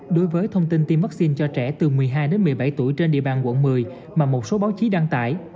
đối với thông tin tiêm vaccine cho trẻ từ một mươi hai đến một mươi bảy tuổi trên địa bàn quận một mươi mà một số báo chí đăng tải